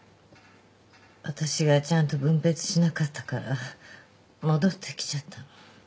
わたしがちゃんと分別しなかったから戻ってきちゃったの。